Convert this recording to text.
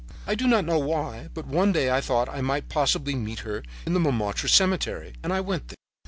"I do not know why, but one day I thought I might possibly meet her in the Montmartre Cemetery, and I went there.